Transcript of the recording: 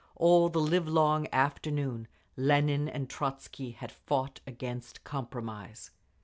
All the livelong afternoon Lenin and Trotzky had fought against compromise.